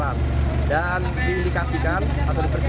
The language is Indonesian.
lantaran lambung kapal penuh terisi air